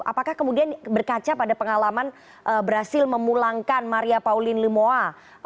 apakah kemudian berkaca pada pengalaman berhasil memulangkan maria pauline limoa